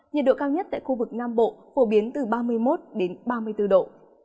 nhiệt độ cao nhất tại khu vực nam bộ phổ biến từ ba mươi một ba mươi bốn độ